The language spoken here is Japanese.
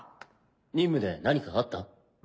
任務で何かあった？